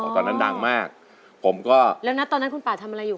ตอนนั้นดังมากผมก็แล้วนะตอนนั้นคุณป่าทำอะไรอยู่